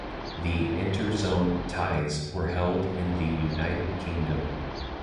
The "inter-zone ties" were held in the United Kingdom.